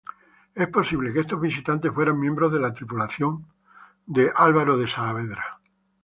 Es posible que estos visitantes fueran miembros de la tripulación de Álvaro de Saavedra.